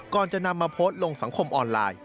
ก่อนจะนำมาโพสต์ลงสังคมออนไลน์